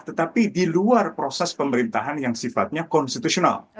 tetapi di luar proses pemerintahan yang sifatnya konstitusional